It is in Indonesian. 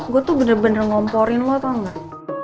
gue tuh bener bener ngomporin lo tau gak